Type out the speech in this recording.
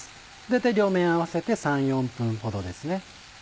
大体両面合わせて３４分ほどですね。